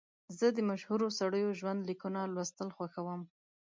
زه د مشهورو سړیو ژوند لیکونه لوستل خوښوم.